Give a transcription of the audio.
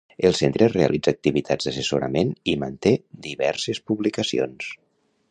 El centre realitza activitats d'assessorament i manté diverses publicacions.